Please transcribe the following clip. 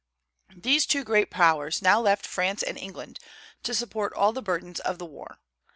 These two great Powers now left France and England to support all the burdens of the war.